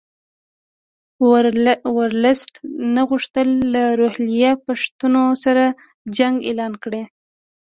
ورلسټ نه غوښتل له روهیله پښتنو سره جنګ اعلان کړي.